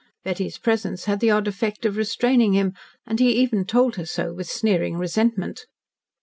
Betty's presence had the odd effect of restraining him, and he even told her so with sneering resentment.